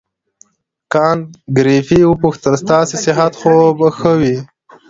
کانت ګریفي وپوښتل ستاسې صحت خو به ښه وي.